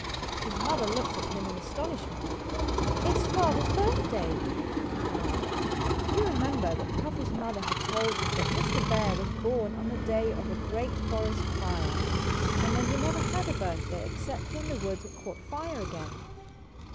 His mother looked at him in astonishment. "It's father's birthday!" he cried. You remember that Cuffy's mother had told him that Mr. Bear was born on the day of a great forest fire, and that he never had a birthday except when the woods caught fire again.